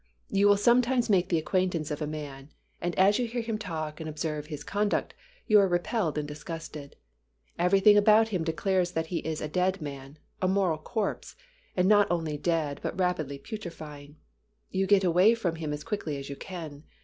You will sometimes make the acquaintance of a man, and as you hear him talk and observe his conduct, you are repelled and disgusted. Everything about him declares that he is a dead man, a moral corpse and not only dead but rapidly putrefying. You get away from him as quickly as you can.